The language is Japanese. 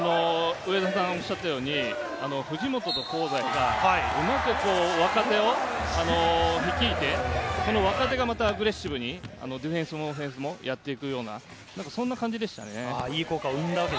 上田さんがおっしゃったように、藤本と香西は若手を率いて、この若手がアグレッシブにディフェンスもオフェンスもやっていくような、そんな感じでしたよね。